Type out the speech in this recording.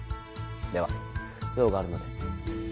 では用があるので。